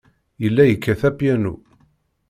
Yella yekkat apyanu.